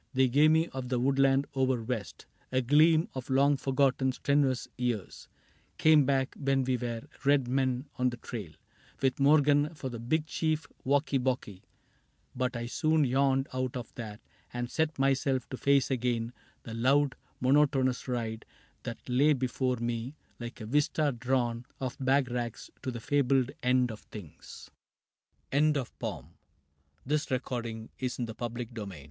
They gave me of the woodland over west, A gleam of long forgotten strenuous years Came back, when we were Red Men on the trail, With Morgan for the big chief Wocky Bocky ; But I soon yawned out of that and set myself To face again the loud monotonous ride That lay before me like a vista drawn Of bag racks to the fabled end o